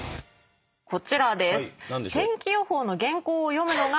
こちらです。